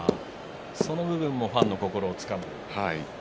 その部分もファンの心をつかむ。